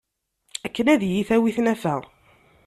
Akken ad iyi-tawi tnafa.